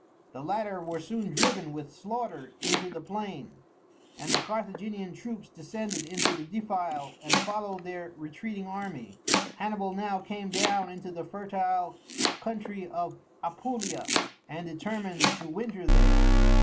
The latter were soon driven with slaughter into the plain, and the Carthaginian troops descended into the defile and followed their retreating army. Hannibal now came down into the fertile country of Apulia, and determined to winter there.